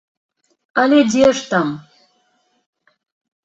Але дзе ж там!